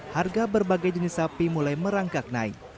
harga berbagai jenis sapi mulai merangkak naik